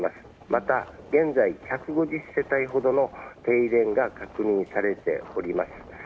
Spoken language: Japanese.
また現在、１５０世帯ほどの停電が確認されております。